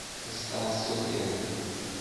استاده څوک يادوې.